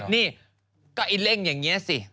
นี่ก็ไอ้เร่งอย่างนี้สิ